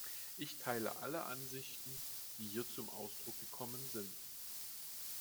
Ich teile alle Ansichten, die hier zum Ausdruck gekommen sind.